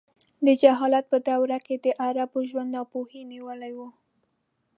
د جهالت په دوره کې د عربو ژوند ناپوهۍ نیولی و.